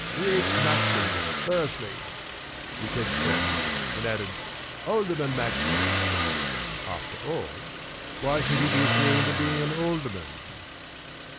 "E. H. Machin, Bursley," he said shortly, and added: "Alderman Machin." After all, why should he be ashamed of being an alderman?